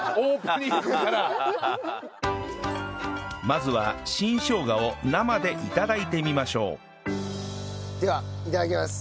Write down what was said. まずは新生姜を生で頂いてみましょうではいただきます。